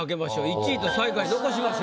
１位と最下位残しましょう。